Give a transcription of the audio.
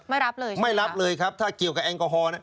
ไม่รับเลยใช่ไหมครับไม่รับเลยครับถ้าเกี่ยวกับแอลกอฮอล์